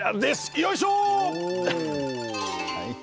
よいしょ！